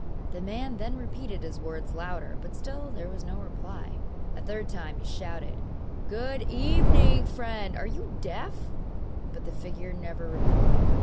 The man then repeated his words louder; but still there was no reply. A third time he shouted: 'Good evening, friend! are you deaf?' but the figure never replied.